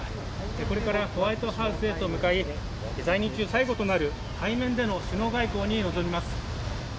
これからホワイトハウスへと向かい、在任中最後となる対面での首脳会合に臨みます。